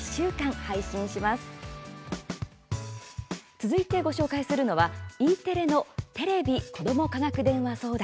続いて、ご紹介するのはＥテレの「テレビ子ども科学電話相談」。